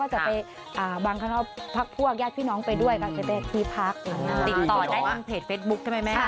ติดต่อได้ในเพจเฟสบุ๊คใช่ไหมแม่